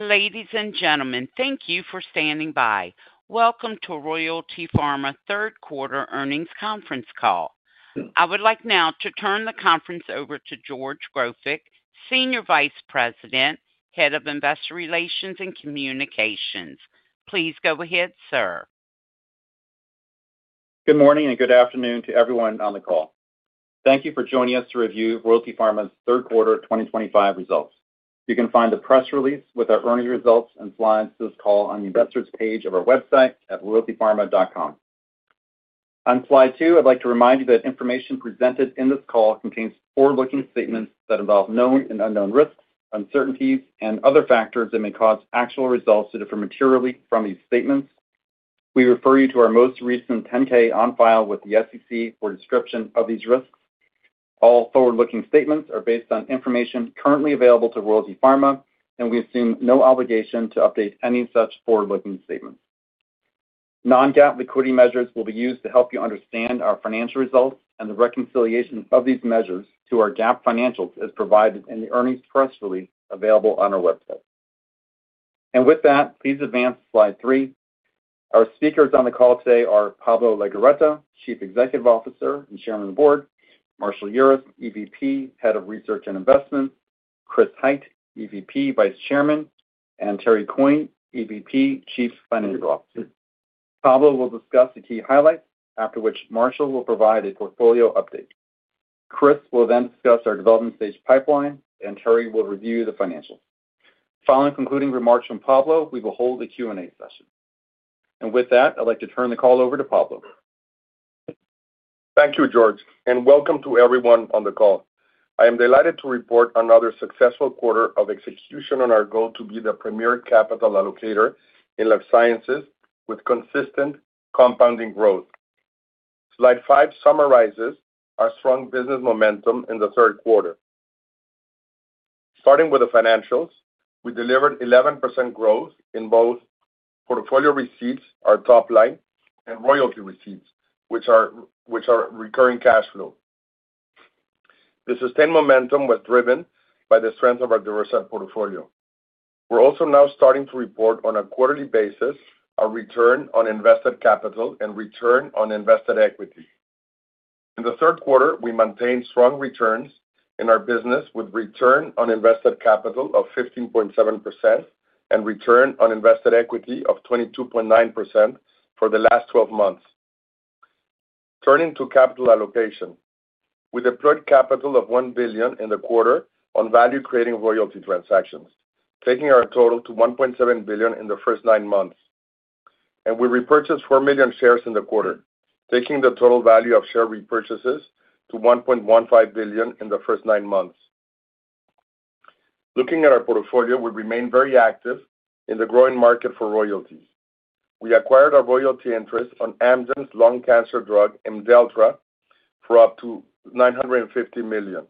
Ladies and gentlemen, thank you for standing by. Welcome to Royalty Pharma third quarter earnings conference call. I would like now to turn the conference over to George Grofik, Senior Vice President, Head of Investor Relations and Communications. Please go ahead sir. Good morning and good afternoon to everyone on the call. Thank you for joining us to review Royalty Pharma's third quarter 2025 results. You can find the press release with our earnings results and slides to this call on the investors page of our website at royaltypharma.com. On slide 2, I'd like to remind you that information presented in this call contains forward-looking statements that involve known and unknown risks, uncertainties, and other factors that may cause actual results to differ materially from these statements. We refer you to our most recent 10-K on file with the SEC for a description of these risks. All forward-looking statements are based on information currently available to Royalty Pharma and we assume no obligation to update any such forward-looking statements. Non-GAAP liquidity measures will be used to help you understand our financial results and the reconciliation of these measures to our GAAP financials as provided in the earnings press release available on our website. Please advance slide 3. Our speakers on the call today are Pablo Legorreta, Chief Executive Officer and Chairman of the Board, Marshall Urist, EVP Head of Research and Investments, Chris Hite, EVP Vice Chairman, and Terry Coyne, EVP Chief Financial Officer. Pablo will discuss the key highlights, after which Marshall will provide a portfolio update. Chris will then discuss our development stage pipeline, and Terry will review the financials. Following concluding remarks from Pablo, we will hold the Q&A session. With that, I'd like to turn the call over to Pablo. Thank you, George, and welcome to everyone on the call. I am delighted to report another successful quarter of execution on our goal to be the premier capital allocator in life sciences with consistent compounding growth. Slide 5 summarizes our strong business momentum in the third quarter. Starting with the financials, we delivered 11% growth in both portfolio receipts, our top line, and royalty receipts, which are recurring cash flow. The sustained momentum was driven by the strength of our diversified portfolio. We're also now starting to report on a quarterly basis our return on invested capital and return on invested equity. In the third quarter. We maintained strong returns in our business with return on invested capital of 15.7% and return on invested equity of 22.9% for the last 12 months. Turning to capital allocation, we deployed capital of $1 billion in the quarter on value-creating royalty transactions, taking our total to $1.7 billion in the first nine months, and we repurchased 4 million shares in the quarter, taking the total value of share repurchases to $1.15 billion in the first nine months. Looking at our portfolio, we remain very active in the growing market for royalties. We acquired our royalty interest on Amgen's lung cancer drug Imdelltra for up to $950 million.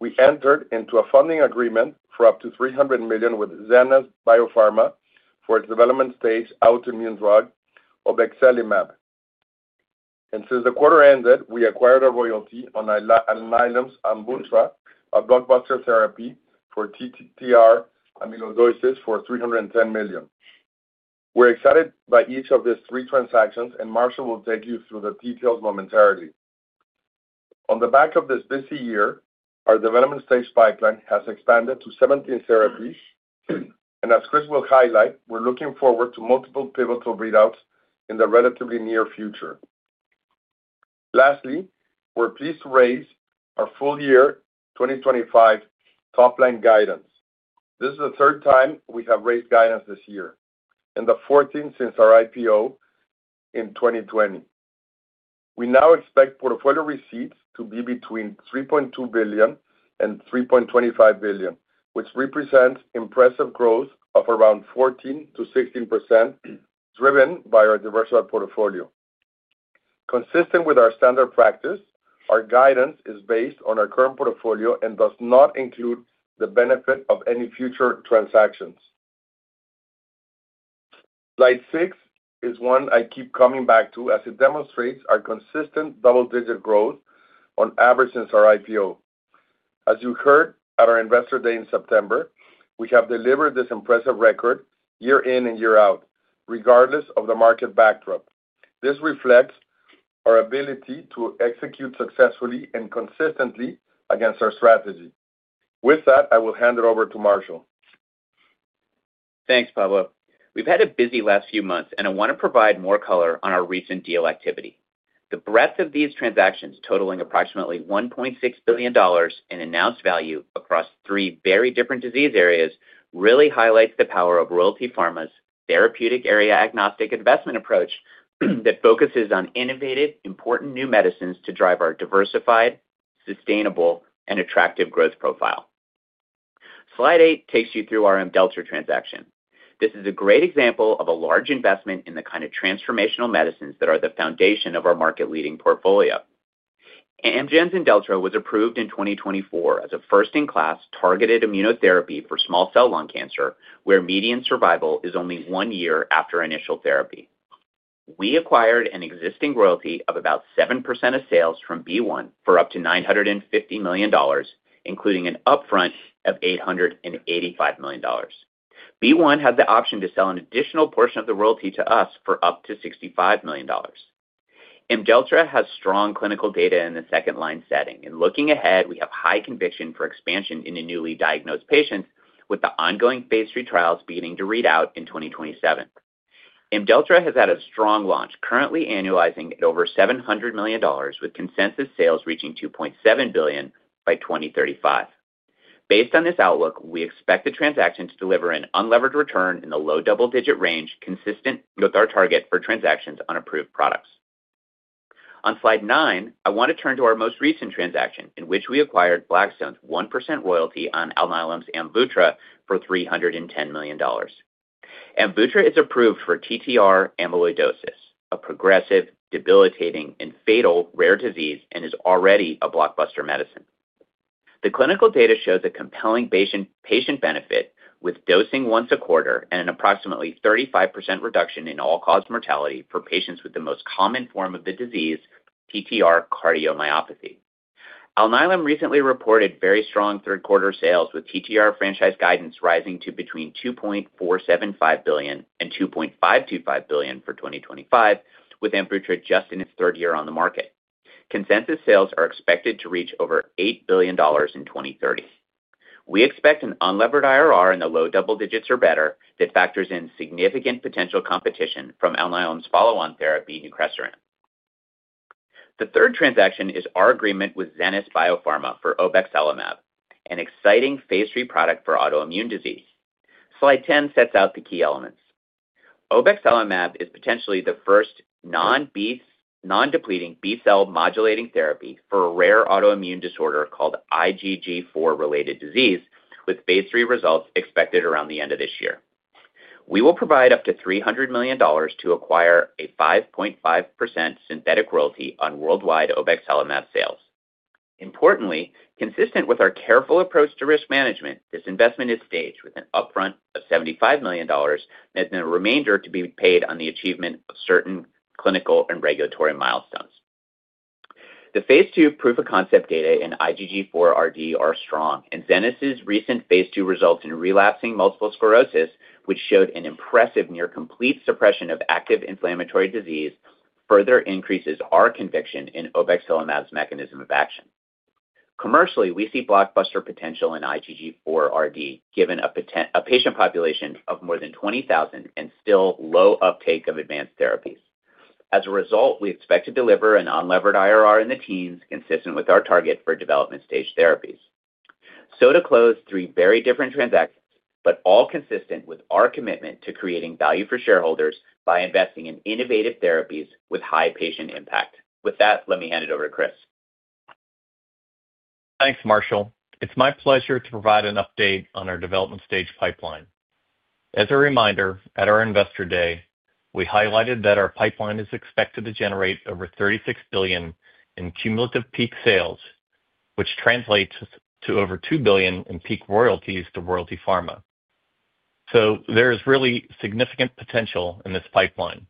We entered into a funding agreement for up to $300 million with Zenas BioPharma for its development-stage autoimmune drug Obexelimab, and since the quarter ended we acquired a royalty on Alnylam's AMVUTTRA blockbuster therapy for TTR amyloidosis for $310 million. We're excited by each of these three transactions and Marshall will take you through the details momentarily. On the back of this busy year, our development stage pipeline has expanded to 17 therapies and as Chris will highlight, we're looking forward to multiple pivotal readouts in the relatively near future. Lastly, we're pleased to raise our full. Year 2025 top line guidance. This is the third time we have raised guidance this year and the 14th since our IPO in 2020. We now expect portfolio receipts to be between $3.2 billion and $3.25 billion, which represents impressive growth of around 14%-16% driven by our diversified portfolio. Consistent with our standard practice, our guidance is based on our current portfolio and does not include the benefit of any future transactions. Slide 6 is one I keep coming back to as it demonstrates our consistent double digit growth on average since our IPO. As you heard at our Investor Day in September, we have delivered this impressive record year in and year out regardless of the market backdrop. This reflects our ability to execute successfully and consistently against our strategy. With that I will hand it over to Marshall. Thanks Pablo. We've had a busy last few months and I want to provide more color on our recent deal activity. The breadth of these transactions, totaling approximately $1.6 billion in announced value across three very different disease areas, really highlights the power of Royalty Pharma's therapeutic area agnostic investment approach that focuses on innovative, important new medicines to drive our diversified, sustainable and attractive growth profile. Slide 8 takes you through our Imdelltra transaction. This is a great example of a large investment in the kind of transformational medicines that are the foundation of our market leading portfolio. Amgen's Imdelltra was approved in 2024 as a first in class targeted immunotherapy for small cell lung cancer where median surv only one year after initial therapy, we acquired an existing royalty of about 7% of sales from B1 for up to $950 million, including an upfront of $885 million. B1 had the option to sell an additional portion of the royalty to us for up to $65 million. Imdelltra has strong clinical data in the second line setting and looking ahead we have high conviction for expansion in the newly diagnosed patients with the ongoing phase III trials beginning to read out in 2027. Imdelltra has had a strong launch, currently annualizing at over $700 million with consensus sales reaching $2.7 billion by 2035. Based on this outlook, we expect the transaction to deliver an unlevered return in the low double digit range, consistent with our target for transactions on approved products. On slide 9. I want to turn to our most recent transaction in which we acquired Blackstone's 1% royalty on Alnylam's AMVUTTRA for $310 million. AMVUTTRA is approved for TTR amyloidosis, a progressive, debilitating and fatal rare disease, and is already a blockbuster medicine. The clinical data shows a compelling patient benefit with dosing once a quarter and an approximately 35% reduction in all-cause mortality for patients with the most common form of the disease, TTR cardiomyopathy. Alnylam recently reported very strong third quarter sales with TTR franchise guidance rising to between $2.4 billion and $2.525 billion for 2025. With AMVUTTRA just in its third year on the market, consensus sales are expected to reach over $8 billion in 2030. We expect an unlevered IRR in the low double digits or better that factors in significant potential competition from Alnylam's follow-on therapy, Nucresiran. The third transaction is our agreement with Zenas BioPharma for obexelimab, an exciting phase III product for autoimmune disease. Slide 10 sets out the key elements. Obexelimab is potentially the first non-depleting B cell modulating therapy for a rare autoimmune disorder called IgG4-related disease, with phase III results expected around the end of this year. We will provide up to $300 million to acquire a 5.5% synthetic royalty on worldwide Obexelimab sales. Importantly, consistent with our careful approach to risk management, this investment is staged with an upfront of $75 million and the remainder to be paid on the achievement of certain clinical and regulatory milestones. The phase II proof of concept data in IgG4RD are strong, and Zenas' recent phase II results in relapsing multiple sclerosis, which showed an impressive near complete suppression of active inflammatory disease, further increases our conviction in Obexelimab's mechanism of action. Commercially, we see blockbuster potential in IgG4RD given a patient population of more than 20,000 and still low uptake of advanced therapies. As a result, we expect to deliver an unlevered IRR in the teens consistent with our target for development stage therapies. To close, three very different transactions, but all consistent with our commitment to creating value for shareholders by investing in innovative therapies with high patient impact. With that, let me hand it over to Chris. Thanks Marshall. It's my pleasure to provide an update on our development stage pipeline. As a reminder at our investor day we highlighted that our pipeline is expected to generate over $36 billion in cumulative peak sales, which translates to over $2 billion in peak royalties to Royalty Pharma. There is really significant potential in this pipeline.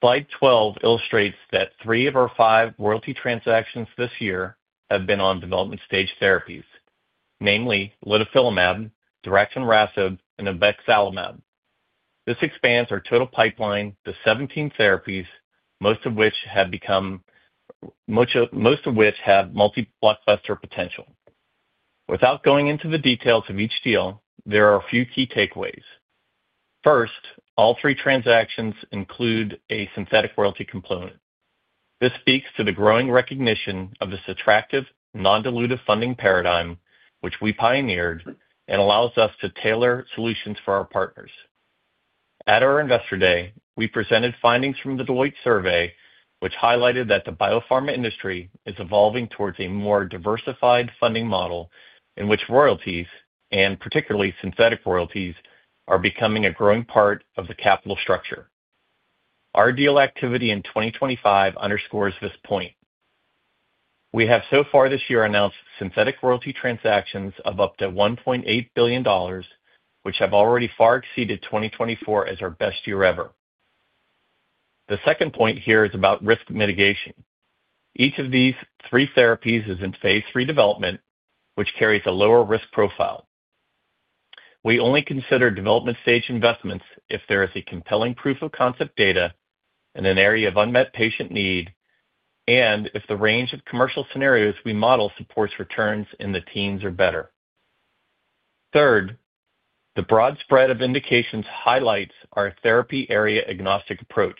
Slide 12 illustrates that three of our five royalty transactions this year have been on development stage therapies, namely Litifilimab, daraxonrasib, and Abexalumab. This expands our total pipeline to 17 therapies, most of which have multi blood cluster potential. Without going into the details of each deal, there are a few key takeaways. First, all three transactions include a synthetic royalty component. This speaks to the growing recognition of this attractive non-dilutive funding paradigm which we pioneered and allows us to tailor solutions for our partners. At our investor day we presented findings from the Deloitte survey which highlighted that the biopharma industry is evolving towards a more diversified funding model in which royalties, and particularly synthetic royalties, are becoming a growing part of the capital structure. Our deal activity in 2025 underscores this point. We have so far this year announced synthetic royalty transactions of up to $1.8 billion which have already far exceeded 2024 as our best year ever. The second point here is about risk mitigation. Each of these three therapies is in phase III development which carries a lower risk profile. We only consider development stage investments if there is a compelling proof of concept data in an area of unmet patient need and if the range of commercial scenarios we model supports returns in the teens or better. Third, the broad spread of indications highlights our therapy area agnostic approach.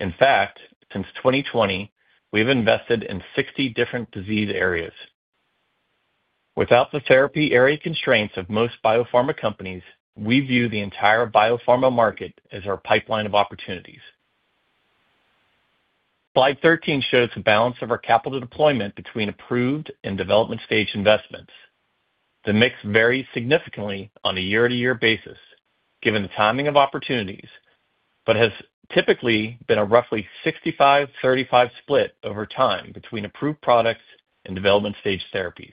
In fact, since 2020 we have invested in 60 different disease areas without the therapy area constraints of most biopharma companies. We view the entire biopharma market as our pipeline of opportunities. Slide 13 shows the balance of our capital deployment between approved and development stage investments. The mix varies significantly on a year-to-year basis given the timing of opportunities, but has typically been a roughly 65:35 split over time between approved products and development stage therapies.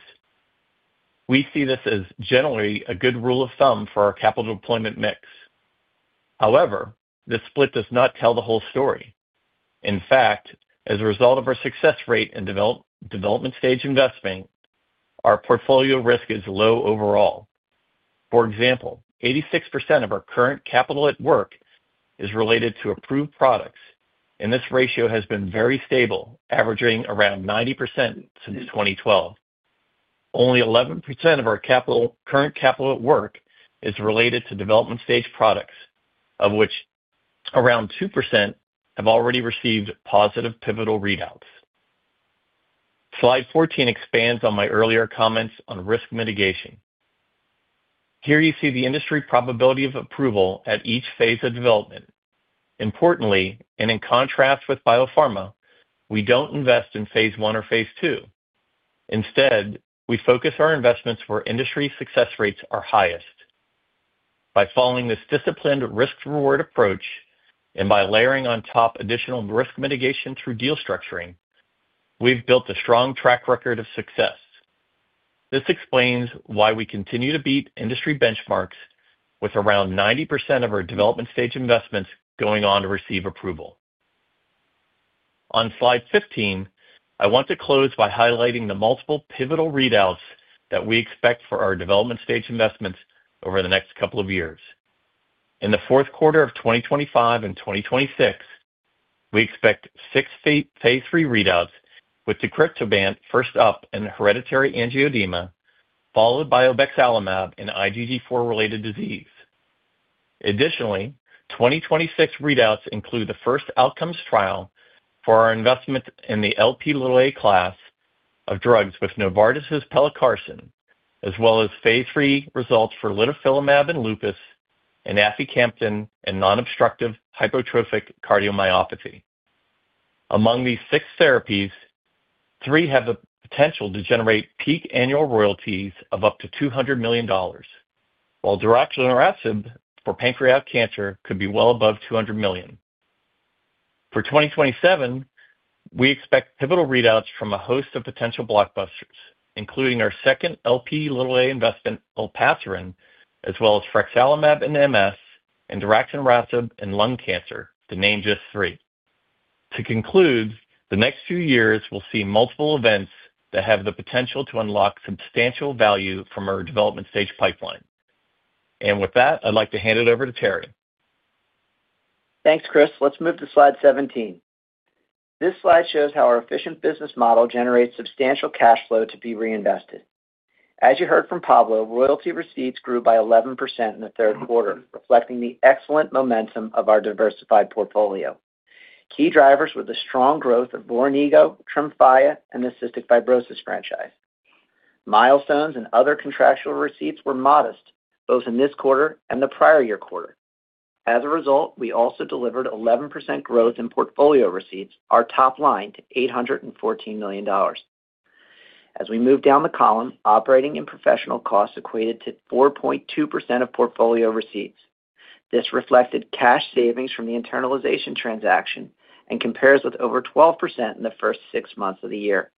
We see this as generally a good rule of thumb for our capital deployment mix. However, this split does not tell the whole story. In fact, as a result of our success rate in development stage investment, our portfolio risk is low overall. For example, 86% of our current capital at work is related to approved products and this ratio has been very stable, averaging around 90% since 2012. Only 11% of our current capital at work is related to development stage products, of which around 2% have already received positive pivotal readouts. Slide 14 expands on my earlier comments on risk mitigation. Here you see the industry probability of approval at each phase of development. Importantly, and in contrast with biopharma, we don't invest in phase I or phase II. Instead, we focus our investments where industry success rates are highest. By following this disciplined risk reward approach and by layering on top additional risk mitigation through deal structuring, we've built a strong track record of success. This explains why we continue to beat industry benchmarks with around 90% of our development stage investments going on to receive approval. On slide 15, I want to close by highlighting the multiple pivotal readouts that we expect for our development stage investments over the next couple of years. In the fourth quarter of 2025 and 2026, we expect six phase III readouts with deucrictibant first up in hereditary angioedema followed by obexelimab in IgG4-related disease. Additionally, 2026 readouts include the first outcomes trial for our investment in the LP(a) class of drugs with Novartis's pelacarsen as well as phase III results for litifilimab in lupus and aficamten in non-obstructive hypertrophic cardiomyopathy. Among these six therapies, three have the potential to generate peak annual royalties of up to $200 daraxonrasib for pancreatic cancer could be well above $200 million. For 2027, we expect pivotal readouts from a host of potential blockbusters, including our second LP(a) investment, olpasiran, as well as fraxalumab in MS and daraxonrasib in lung cancer, to name just three. To conclude, the next few years we'll see multiple events that have the potential to unlock substantial value from our development stage pipeline and with that I'd like to hand it over to Terry. Thanks Chris. Let's move to slide 17. This slide shows how our efficient business model generates substantial cash flow to be reinvested. As you heard from Pablo, royalty receipts grew by 11% in the third quarter reflecting the excellent momentum of our diversified portfolio. Key drivers were the strong growth of Voranigo, Tremfya, and the Cystic Fibrosis Franchise. Milestones and other contractual receipts were modest both in this quarter and the prior year quarter. As a result, we also delivered 11% growth in portfolio receipts, our top line to $814 million. As we move down the column, operating and professional costs equated to 4.2% of portfolio receipts. This reflected cash savings from the internalization transaction and compares with over 12% in the first six months of the year.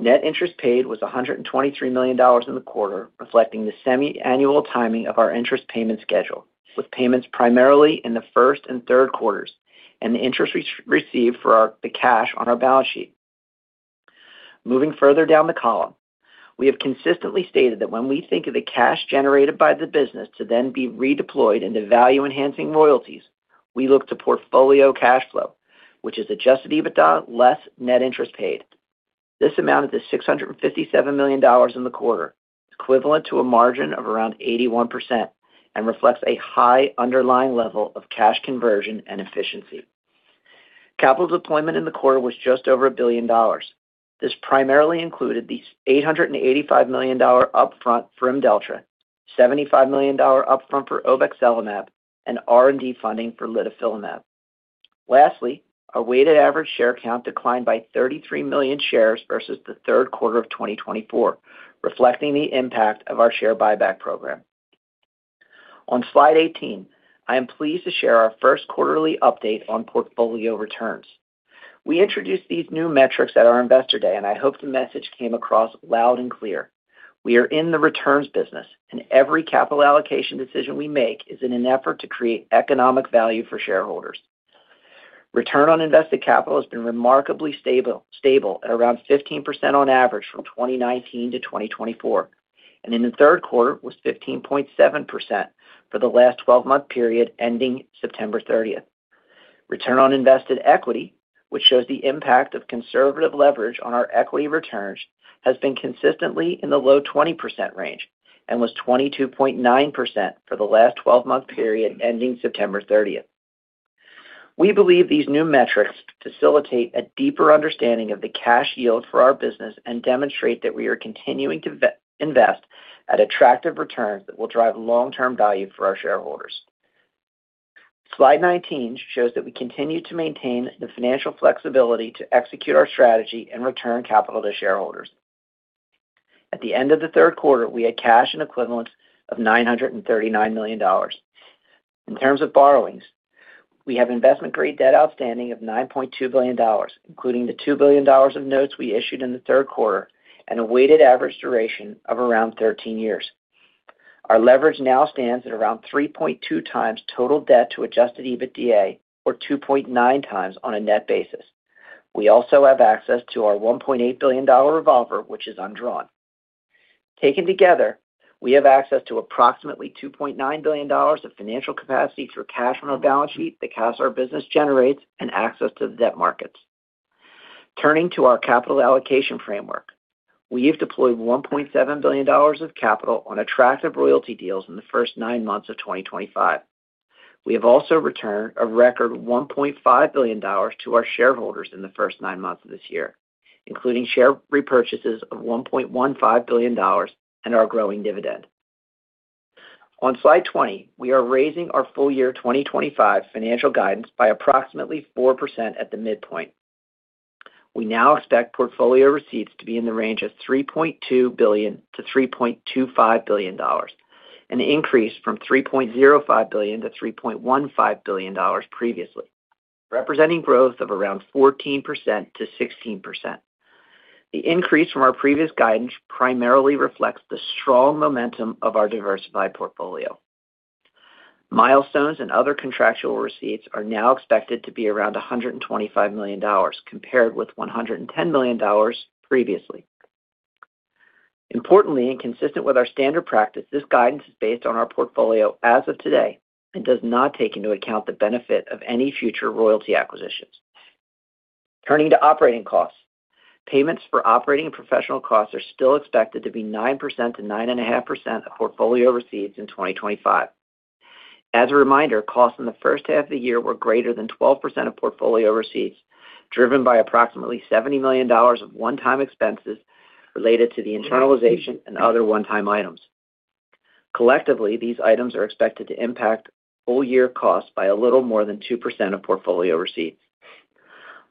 Net interest paid was $123 million in the quarter, reflecting the semiannual timing of our interest payment schedule, with payments primarily in the first and third quarters and the interest received for the cash on our balance sheet. Moving further down the column, we have consistently stated that when we think of the cash generated by the business to then be redeployed into value-enhancing royalties, we look to portfolio cash flow which is Adjusted EBITDA less net interest paid. This amounted to $657 million in the quarter, equivalent to a margin of around 81% and reflects a high underlying level of cash conversion and efficiency. Capital deployment in the quarter was just over $1 billion. This primarily included the $885 million upfront for Imdelltra, $75 million upfront for obexelimab, and R&D funding for litifilimab. Lastly, our weighted average share count declined by 33 million shares versus the third quarter of 2024, reflecting the impact of our share on Slide 18. I am pleased to share our first quarterly update on portfolio returns. We introduced these new metrics at our Investor Day and I hope the message came across loud and clear. We are in the returns business and every capital allocation decision we make is in an effort to create economic value for shareholders. Return on invested capital has been remarkably stable at around 15% on average from 2019 to 2024 and in the third quarter was 15.7% for the last 12 month period ending September 30th. Return on invested equity, which shows the impact of conservative leverage on our equity returns, has been consistently in the low 20% range and was 22.9% for the last 12 month period ending September 30th. We believe these new metrics facilitate a deeper understanding of the cash yield for our business and demonstrate that we are continuing to invest at attractive returns that will drive long term value for our shareholders. Slide 19 shows that we continue to maintain the financial flexibility to execute our strategy and return capital to shareholders. At the end of the third quarter, we had cash and equivalents of $939 million. In terms of borrowings, we have investment grade debt outstanding of $9.2 billion, including the $2 billion of notes we issued in the third quarter and a weighted average duration of around 13 years. Our leverage now stands at around 3.2 times total debt to Adjusted EBITDA, or 2.9 times on a net basis. We also have access to our $1.8 billion revolver, which is undrawn. Taken together, we have access to approximately $2.9 billion of financial capacity through cash on our balance sheet, the cash our business generates and access to the debt markets. Turning to our capital allocation framework, we have deployed $1.7 billion of capital on attractive royalty deals in the first nine months of 2025. We have also returned a record $1.5 billion to our shareholders in the first nine months of this year, including share repurchases of $1.15 billion and our growing dividend. On slide 20, we are raising our full year 2025 financial guidance by approximately 4% at the midpoint. We now expect portfolio receipts to be in the range of $3.2 billion-$3.25 billion, an increase from $3.05 billion-$3.15 billion previously, representing growth of around 14%-16%. The increase from our previous guidance primarily reflects the strong momentum of our diversified portfolio. Milestones and other contractual receipts are now expected to be around $125 million compared with $110 million dollars previously. Importantly, and consistent with our standard practice, this guidance is based on our portfolio as of today and does not take into account the benefit of any future royalty acquisitions. Turning to operating costs, payments for operating and professional costs are still expected to be 9%-9.5% of portfolio receipts in 2025. As a reminder, costs in the first half of the year were greater than 12% of portfolio receipts, driven by approximately $70 million of one time expenses related to the internalization and other one time items. Collectively, these items are expected to impact full year costs by a little more than 2% of portfolio receipts.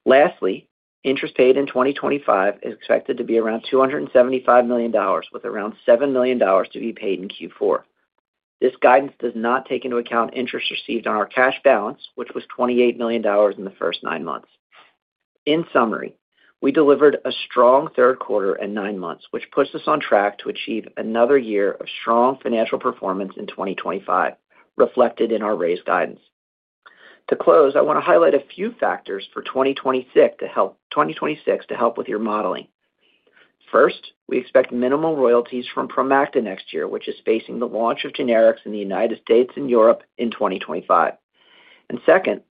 Lastly, interest paid in 2025 is expected to be around $275 million with around $7 million to be paid in Q4. This guidance does not take into account interest received on our cash balance which was $28 million in the first nine months. In summary, we delivered a strong third quarter and nine months, which puts us on track to achieve another year of strong financial performance in 2025 reflected in our raised guidance. To close, I want to highlight a few factors for 2026 to help with your modeling. First, we expect minimal royalties from Promacta next year, which is facing the launch of generics in the United States and Europe in 2025. Second,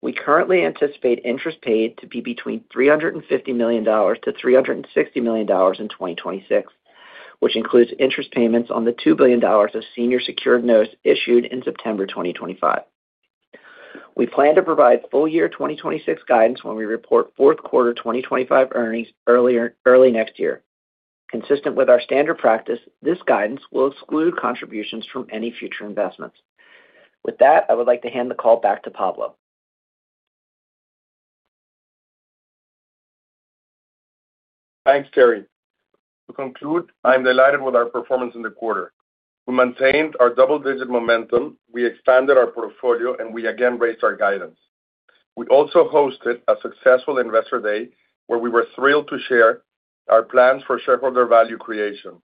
we currently anticipate interest paid to be between $350 million-$360 million in 2026, which includes interest payments on the $2 billion of senior secured notes issued in September 2025. We plan to provide full year 2026 guidance when we report fourth quarter 2025 earnings early next year. Consistent with our standard practice, this guidance will exclude contributions from any future investments. With that, I would like to hand the call back to Pablo. Thanks Terry. To conclude, I'm delighted with our performance in the quarter. We maintained our double-digit momentum, we expanded our portfolio and we again raised our guidance. We also hosted a successful Investor Day where we were thrilled to share our plans for shareholder value creation.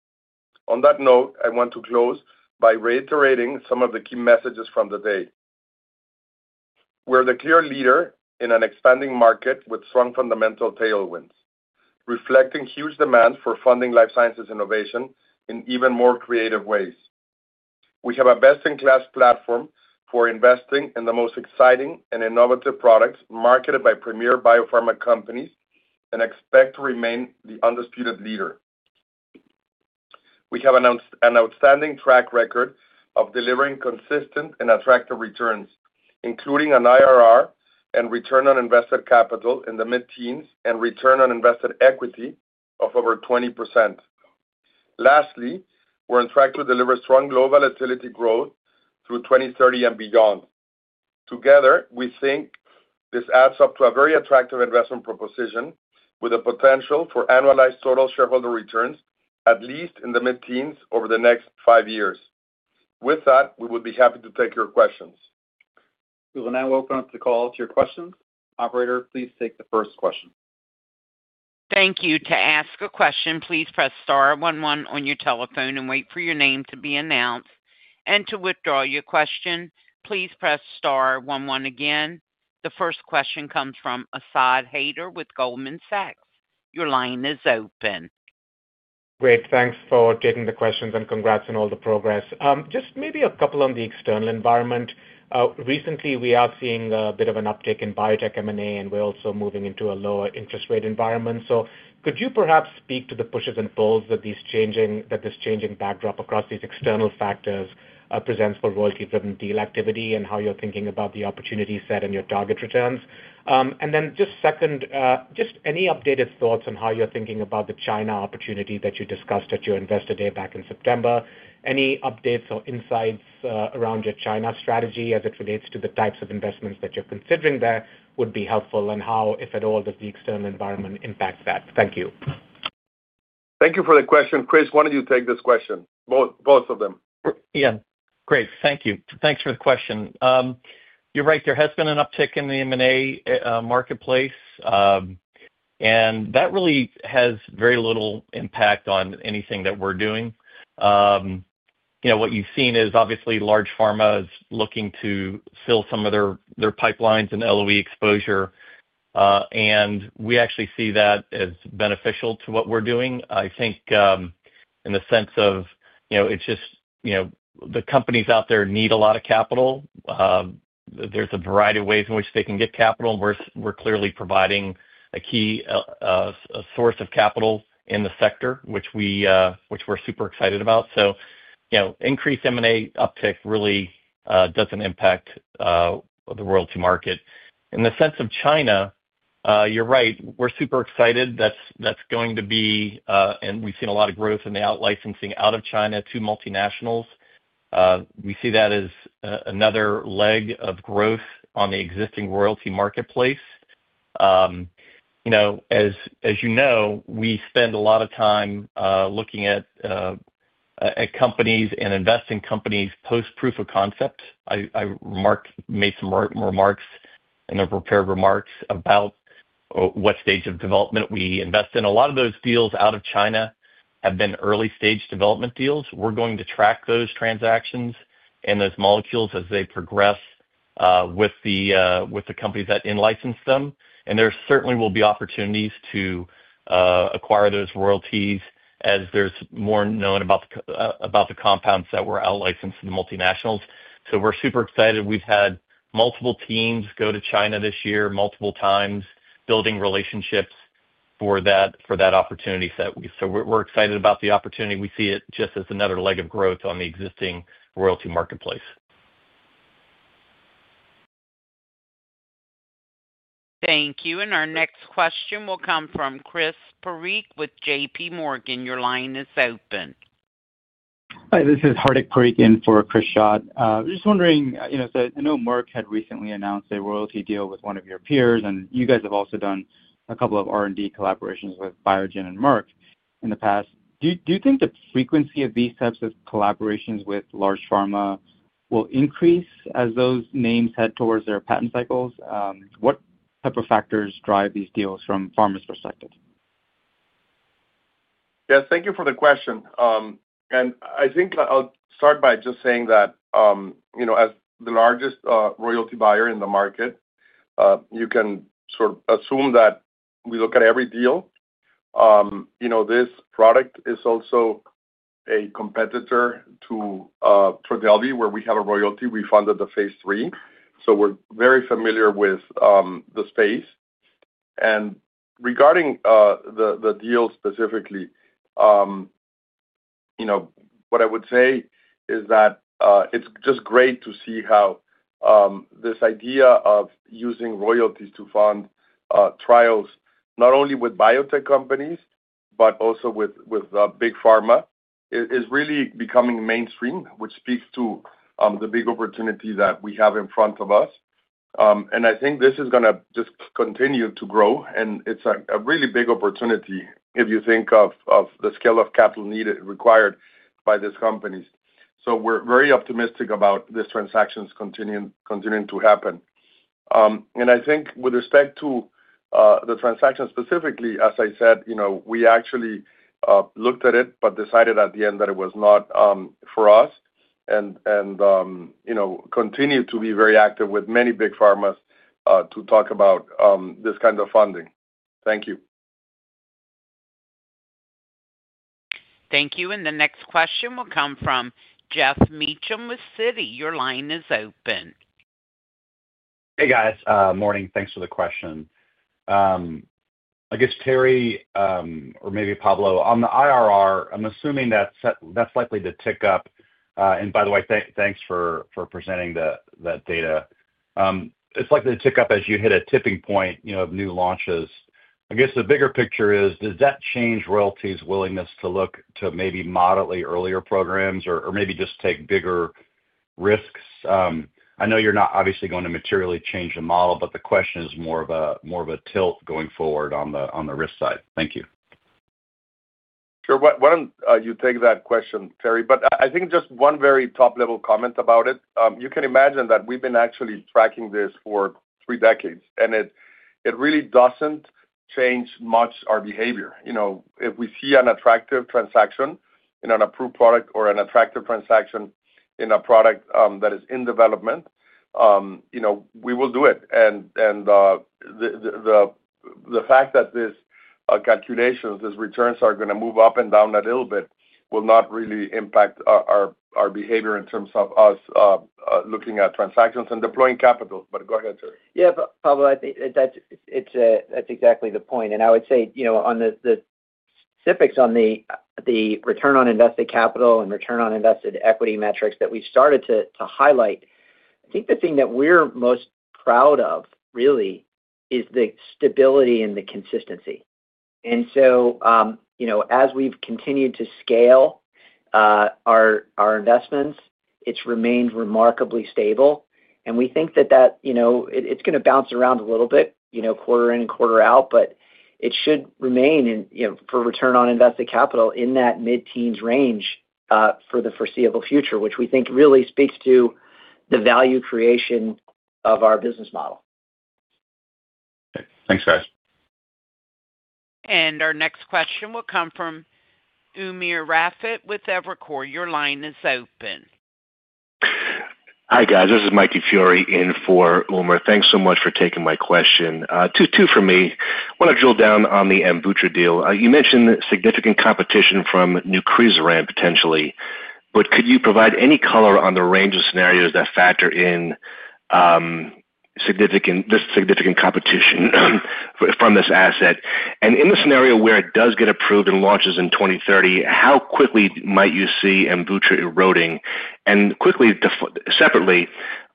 On that note, I want to close by reiterating some of the key messages from the day. We're the clear leader in an expanding market with strong fundamental tailwinds reflecting huge demand for funding life sciences innovation in even more creative ways. We have a best-in-class platform for investing in the most exciting and innovative products marketed by premier biopharma companies and expect to remain the undisputed leader. We have announced an outstanding track record of delivering consistent and attractive returns including an IRR and return on invested capital in the mid-teens and return on invested equity of over 20%. Lastly, we're on track to deliver strong low volatility growth through 2030 and beyond. Together we think this adds up to a very attractive investment proposition with the potential for annualized total shareholder returns at least in the mid teens over the next five years. With that we would be happy to take your questions. We will now open up the call to your questions. Operator, please take the first question. Thank you. To ask a question, please press star one one on your telephone and wait for your name to be announced. To withdraw your question, please press star one one. The first question comes from Asad Haider with Goldman Sachs. Your line is open. Great. Thanks for taking the questions and congrats on all the progress. Just maybe a couple on the external environment. Recently we are seeing a bit of an uptick in biotech M&A and we're also moving into a lower interest rate environment. Could you perhaps speak to the pushes and pulls that this changing backdrop across these external factors presents for royalty driven deal activity and how you're thinking about the opportunity set and your target returns? Second, just any updated thoughts on how you're thinking about the China opportunity that you discussed at your Investor Day back in September? Any updates or insights around your China strategy as it relates to the types of investments that you're considering there would be helpful. How, if at all, does the external environment impact that? Thank you. Thank you for the question. Chris, why don't you take this question, both of them. Yeah, great. Thank you. Thanks for the question. You're right, there has been an uptick in the M&A marketplace and that really has very little impact on anything that we're doing. What you've seen is obviously large pharma is looking to fill some of their pipelines and LOE exposure and we actually see that as beneficial to what we're doing. I think in the sense of it's just the companies out there need a lot of capital. There's a variety of ways in which they can get capital and we're clearly providing a key source of capital in the sector which we're super excited about. Increased M&A uptick really doesn't impact the royalty market in the sense of China. You're right, we're super excited. That's going to be and we've seen a lot of growth in the out-licensing out of China to multinationals. We see that as another leg of growth on the existing royalty marketplace. As you know, we spend a lot of time looking at companies and investing in companies post proof of concept. I made some remarks in the prepared remarks about what stage of development we invest in. A lot of those deals out of China have been early stage development deals. We are going to track those transactions and those molecules as they progress with the companies that in-license them. There certainly will be opportunities to acquire those royalties as there is more known about the compounds that were out-licensed to the multinationals. We are super excited. We have had multiple teams go to China this year multiple times building relationships for that opportunity. We are excited about the opportunity. We see it just as another leg of growth on the existing royalty marketplace. Thank you. Our next question will come from Hardik Parikh with J.P. Morgan. Your line is open. Hi, this is Hardik Parikh in for Chris Hite. Just wondering, I know Merck had recently announced a royalty deal with one of your peers, and you guys have also done a couple of R&D collaborations with Biogen and Merck in the past. Do you think the frequency of these? Types of collaborations with large pharma will increase as those names head towards their patent cycles. What type of factors drive these deals from pharma's perspective? Yes, thank you for the question. I think I'll start by just saying that, you know, as the largest royalty buyer in the market, you can sort of assume that we look at every deal. You know, this product is also a competitor to Delvi, where we have a royalty. We funded the phase III, so we're very familiar with the space. Regarding the deal specifically, what I would say is that it's just great to see how this idea of using royalties to fund trials not only with biotech companies, but also with big pharma is really becoming mainstream, which speaks to the big opportunity that we have in front of us. I think this is going to just continue to grow. It's a really big opportunity if you think of the scale of capital needed required by these companies. We're very optimistic about this transaction continuing to happen. I think with respect to the transaction specifically, as I said, we actually looked at it, but decided at the end that it was not for us and continue to be very active with many big pharmas to talk about this kind of funding. Thank you. Thank you. The next question will come from Geoff Meacham with Citi. Your line is open. Hey, guys. Morning. Thanks for the question. I guess, Terry. Or maybe Pablo on the IRR. I'm assuming that's likely to tick up. By the way, thanks for presenting that data. It's likely to tick up as you. Hit a tipping point of new launches. I guess the bigger picture is, does. That change Royalty Pharma's willingness to look to. Maybe moderately earlier programs or maybe just take bigger risks? I know you're not obviously going to materially change the model, but the question is more of a tilt going forward. On the risk side. Thank you. Sure. Why don't you take that question, Terry? I think just one very top level comment about it. You can imagine that we've been actually tracking this for three decades and it really doesn't change much our behavior. If we see an attractive transaction in an approved product or an attractive transaction in a product that is in development, we will do it. The fact that this calculation, these returns are going to move up and down a little bit will not really impact our behavior in terms of us looking at transactions and deploying capital. Go ahead. Yeah, Pablo, that's exactly the point. I would say on the specifics on the return on invested capital and return on invested equity metrics that we started to highlight, I think the thing that we're most proud of really is the stability and the consistency. As we've continued to scale our investments, it's remained remarkably stable. We think that it's going to bounce around a little bit quarter in and quarter out, but it should remain for return on invested capital in that mid teens range for the foreseeable future, which we think really speaks to the value creation of our business model. Thanks guys. Our next question will come from Umer Raffat with Evercore. Your line is open. Hi guys, this is Mike DiFiore in for Umer. Thanks so much for taking my question, two for me. Want to drill down on the AMVUTTRA deal? You mentioned significant competition from Nucresiran potentially, but could you provide any color on the range of scenarios that factor in significant competition from this asset? In the scenario where it does get approved and launches in 2030, how quickly might you see AMVUTTRA eroding? Quickly, separately,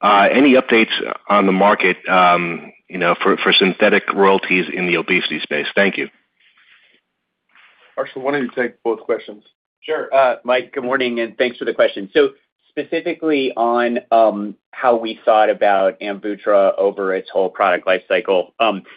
any updates on the market for synthetic royalties in the obesity space? Thank you. Why don't you take both questions? Sure. Mike, good morning and thanks for the question. Specifically on how we thought about AMVUTTRA over its whole product lifecycle.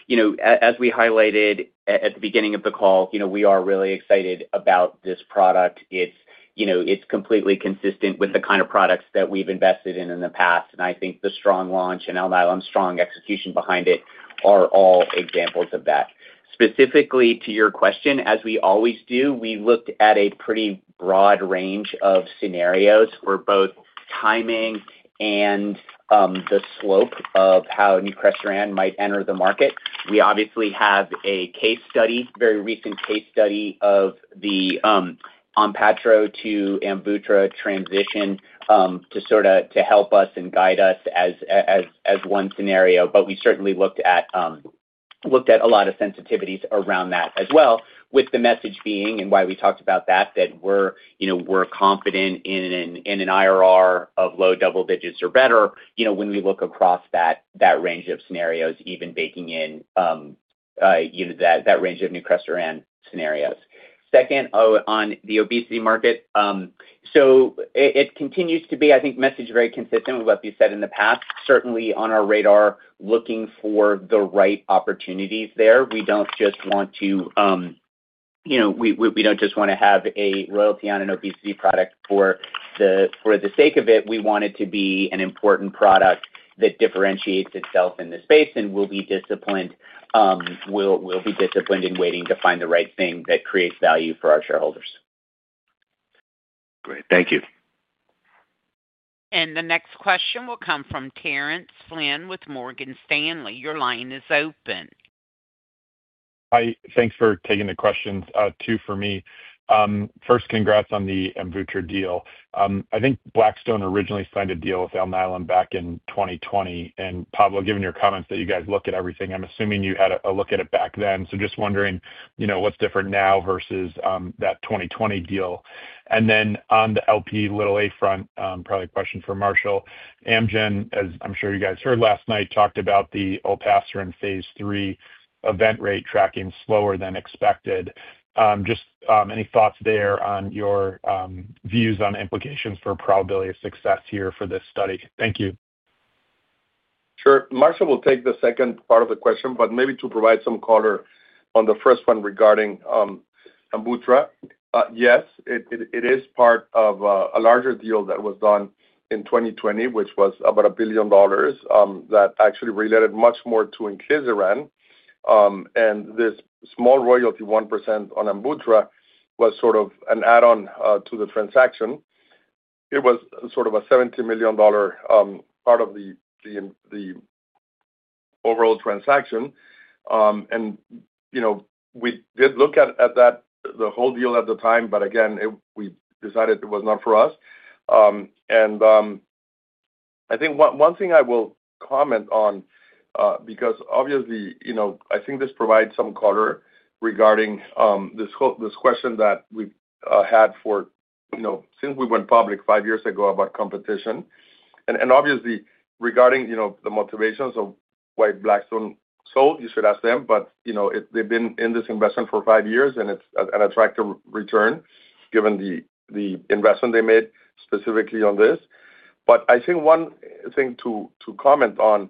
You know, as we highlighted at the. Beginning of the call, you know, we are really excited about this product. It's, you know, it's completely consistent with. The kind of products that we've invested in in the past. I think the strong launch and Alnylam strong execution behind it are all examples of that. Specifically to your question, as we always do, we looked at a pretty broad range of scenarios for both timing and the slope of how Nucresiran might enter the market. We obviously have a case study, very recent case study of the Onpattro to AMVUTTRA transition to sort of help us and guide us as one scenario. We certainly looked at a lot of sensitivities around that as well, with the message being, and why we talked about that, that we're confident in an IRR of low double digits or better when we look across that range of scenarios, even baking in that. Range of Nucresiran scenarios second on the obesity market. It continues to be, I think, message very consistent with what we've said in the past, certainly on our radar, looking for the right opportunities there. We don't just want to, you know, we don't just want to have a royalty on an obesity product for the sake of it. We want it to be an important product that differentiates itself in the space. We will be disciplined in waiting to find. The right thing that creates value for our shareholders. Great, thank you. The next question will come from Terence Flynn with Morgan Stanley. Your line is open. Hi. Thanks for taking the questions. Two for me. First, congrats on the AMVUTTRA deal. I think Blackstone originally signed a deal with Alnylam back in 2020. Pablo, given your comments that you guys look at everything, I'm assuming you had a look at it back then. Just wondering what's different now versus that 2020 deal. On the LP(a) front, probably a question for Amgen, as I'm sure you guys heard last night, talked about the olpasiran in phase III, event rate tracking slower than expected. Just any thoughts there on your views on implications for probability of success here for this study? Thank you. Sure. Marshall will take the second part of the question, but maybe to provide some color on the first one regarding AMVUTTRA. Yes, it is part of a larger deal that was done in 2020, which was about $1 billion that actually related much more to Inclisiran. And this small royalty 1% on AMVUTTRA was sort of an add-on to the transaction. It was sort of a $70 million part of the overall transaction. We did look at the whole deal at the time. Again, we decided it was not for us. I think one thing I will comment on, because obviously, you know, I think this provides some color regarding this question that we have had since we went public five years ago about competition and obviously regarding, you know, the motivations of why Blackstone sold, you should ask them. You know, they've been in this investment for five years and it's an attractive return given the investment they made specifically on this. I think one thing to comment on,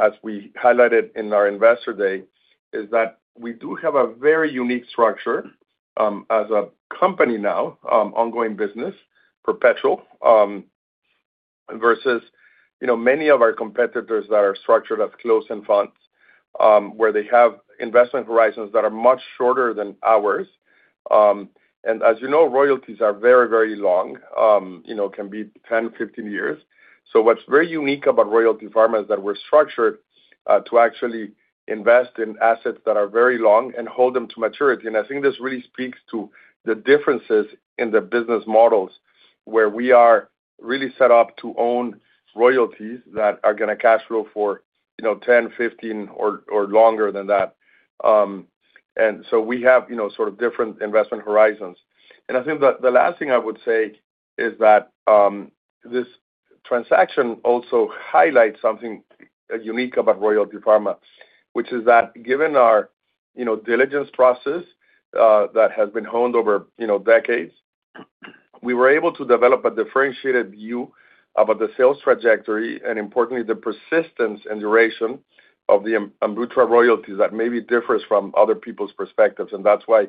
as we highlighted in our investor day, is that we do have a very unique structure as a company now. Ongoing business, perpetual versus many of our competitors that are structured as closed end funds where they have investment horizons that are much shorter than ours. As you know, royalties are very, very long, can be 10-15 years, so what's very unique about Royalty Pharma is that we're structured to actually invest in assets that are very long and hold them to maturity. I think this really speaks to the differences in the business models where we are really set up to own royalties that are going to cash flow for 10, 15 or longer than that. We have sort of different investment horizons. I think the last thing I would say is that this transaction also highlights something unique about Royalty Pharma, which is that given our diligence process that has been honed over decades, we were able to develop a differentiated view about the sales trajectory and importantly the persistence and duration of the AMVUTTRA royalties that maybe differs from other people's perspectives. That is why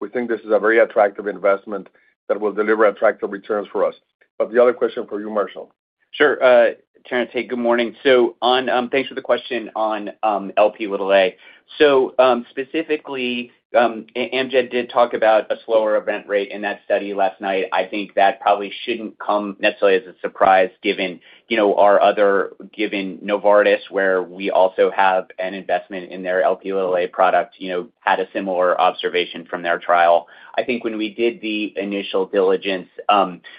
we think this is a very attractive investment that will deliver attractive returns for us. The other question for you, Marshall. Sure. Terence. Hey, good morning. Thanks for the question on LP(a). Specifically, Amgen did talk about a slower event rate in that study last night. I think that probably shouldn't come necessarily as a surprise given, you know, our other, given Novartis, where we also have an investment in their LP(a) product, you. Know, had a similar observation from their trial. I think when we did the initial diligence,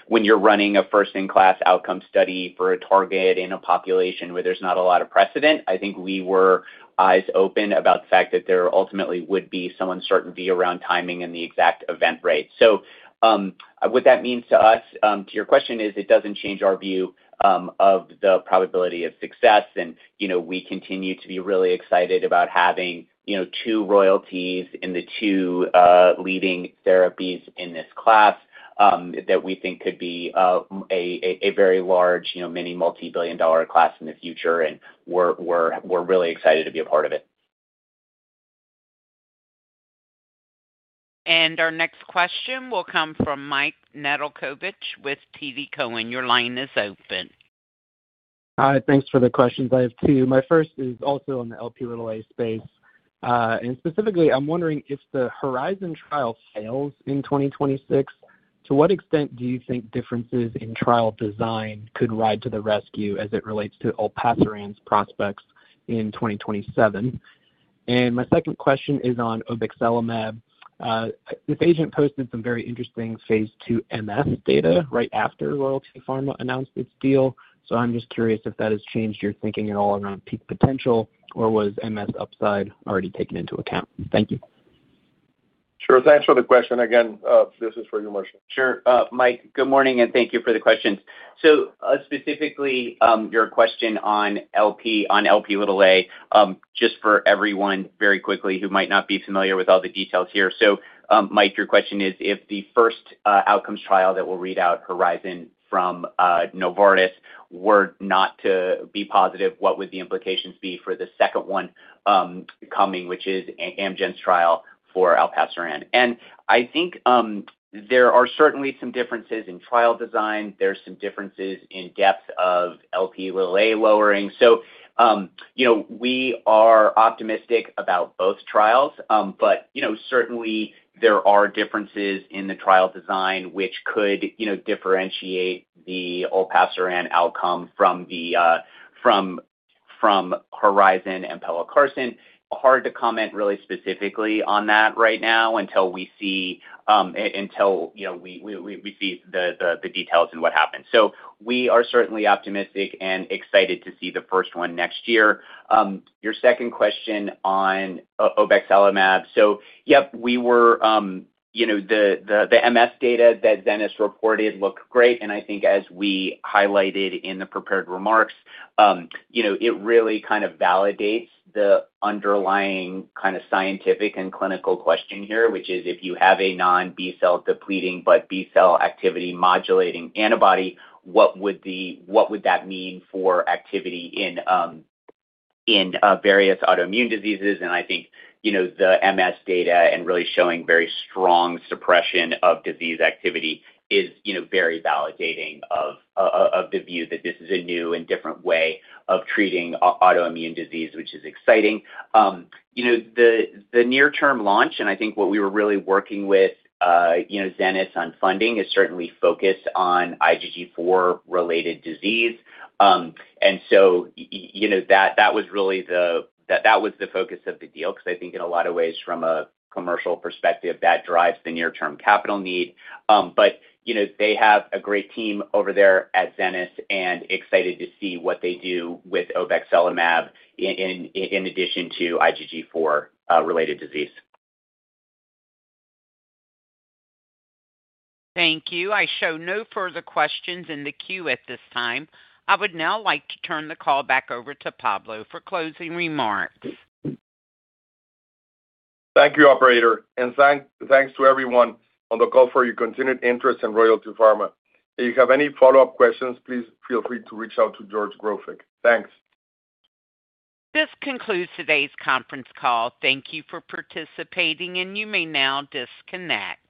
when you're running a first in class outcome study for a target in a population where there's not a lot of precedent, I think we were eyes open about the fact that there ultimately would be some uncertainty around timing. The exact event rate. What that means to us, to your question, is it doesn't change our view of the probability of success. We continue to be really excited about having two royalties in the two leading therapies in this class that we think could be a very large mini. Multibillion dollar class in the future. We're really excited to be a part of. Our next question will come from Mike Nedelcovych with TD Cowen. Your line is open. Hi. Thanks for the questions. I have two. My first is also on the LP(a) space and specifically I'm wondering if the Horizon trial fails in 2026, to what extent do you think differences in trial design could ride to the rescue as it relates to pelacarsen's prospects in 2027? My second question is on obexelimab. This agent posted some very interesting phase II MS data right after Royalty Pharma announced its deal. I'm just curious if that has changed your thinking at all around peak potential or was MS upside already taken into account? Thank you. Sure. Thanks. For the question again, this is for you, Marshall. Sure. Mike, good morning and thank you for the questions. Specifically your question on LP. On LP just for everyone very quickly. Who might not be familiar with all the details here. Mike, your question is if the first outcomes trial that will read out, Horizon from Novartis, were not to be positive, what would the implications be for the second one coming, which is Amgen's trial for olpasiran. I think there are certainly some. Differences in trial design. There's some differences in depth of LP(a) lowering. So you know we are optimistic about both trials, but you know, certainly there are differences in the trial design which could, you know, differentiate the pelacarsen. Outcome. From Horizon and pelacarsen. Hard to comment really specifically on that right now until we see, until we see the details and what happens. We are certainly optimistic and excited to see the first one next year. Your second question on obexelimab. Yep, we were, you know, the MS data that Zenas reported look great and I think as we highlighted in the prepared remarks, you know, it really kind of validates the underlying kind of. Scientific and clinical question here, which is. If you have a non-B cell depleting but B cell activity modulating antibody, what would that mean for activity in various autoimmune diseases? I think the MS data and really showing very strong suppression of disease activity is very validating of the view. That this is a new and different. Way of treating autoimmune disease, which is. Exciting. The near term launch. I think what we were really working with, you know, Zenas on funding is certainly focused on IgG4 related disease. You know, that was really the focus. Of the deal because I think in. A lot of ways from a commercial perspective that drives the near term capital need. You know they have a great team over there at Zenas and excited to see what they do with obexelimab. In addition to IgG4 related disease. Thank you. I show no further questions in the queue at this time. I would now like to turn the call back over to Pablo for closing remarks. Thank you operator and thanks to everyone on the call for your continued interest in Royalty Pharma. If you have any follow up questions, please feel free to reach out to George Grofik. Thanks. This concludes today's conference call. Thank you for participating and you may now disconnect.